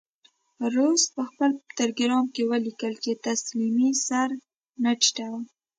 رودز په خپل ټیلګرام کې ولیکل چې تسلیمۍ سر نه ټیټوم.